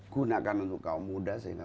gunakan untuk kaum muda sehingga